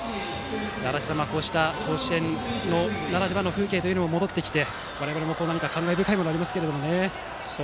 こうした甲子園ならではの風景も戻ってきて、我々も何か感慨深いものがありますけどもね。